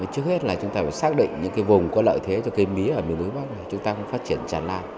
trước hết là chúng ta phải xác định những cái vùng có lợi thế cho cái mía ở miền núi bắc